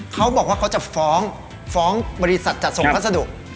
เขาบอกว่าเขาจะฟ้องฟ้องบริษัทจัดส่งพัสดุ